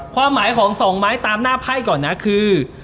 ความหมายของ๒ไม้ตามหน้าไพ่ก่อนนะคือ